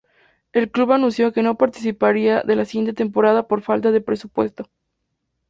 El club anunció que no participaría de la siguiente temporada por falta de presupuesto.